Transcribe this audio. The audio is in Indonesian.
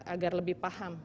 agar lebih paham